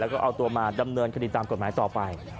แล้วก็เอาตัวมาดำเนินคดีตามกฎหมายต่อไป